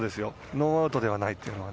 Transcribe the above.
ノーアウトではないということは。